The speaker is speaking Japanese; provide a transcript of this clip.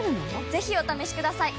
ぜひお試しください！